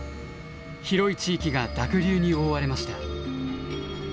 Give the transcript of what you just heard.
広い地域が濁流に覆われました。